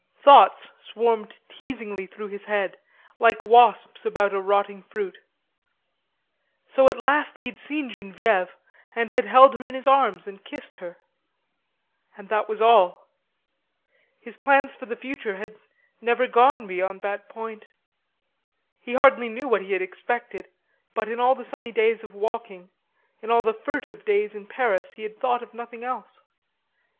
Thoughts swarmed teasingly through his head, like wasps about a rotting fruit. So at last he had seen Genevieve, and had held her in his arms and kissed her. And that was all. His plans for the future had never gone beyond that point. He hardly knew what he had expected, but in all the sunny days of walking, in all the furtive days in Paris, he had thought of nothing else.